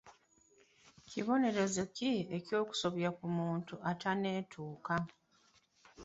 Kibonerezo ki eky'okusobya ku muntu atanneetuuka?